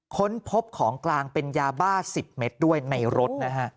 ค้นพบของกลางเป็นยาบ้า๑๐เมตรด้วยในรถนะฮะ